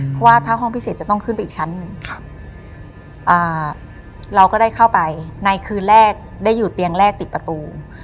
เพราะว่าถ้าห้องพิเศษจะต้องขึ้นไปอีกชั้นหนึ่งเราก็ได้เข้าไปในคืนแรกได้อยู่เตียงแรกติดประตู